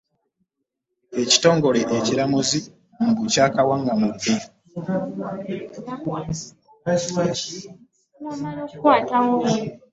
Ekitongole ekiramuzi mbu kyakawaŋŋamudde.